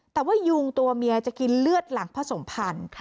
แต่ว่ายุงตัวเมียจะกินเลือดหลังผสมพันธุ์